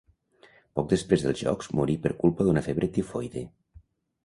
Poc després dels Jocs morí per culpa d'una febre tifoide.